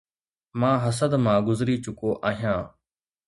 مان حسد مان گذري چڪو آهيان